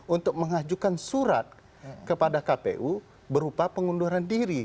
untuk mengajukan surat kepada kpu berupa pengunduran diri